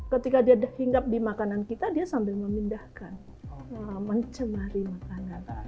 ketika dia hinggap di makanan kita dia sambil memindahkan mencemari makanan